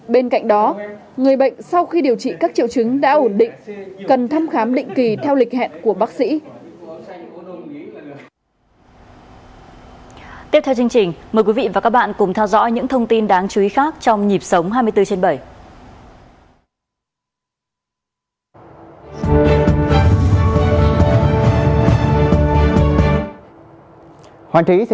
bên cạnh đó người bệnh sau khi điều trị các triệu chứng đã ổn định cần thăm khám định kỳ theo lịch hẹn của bác sĩ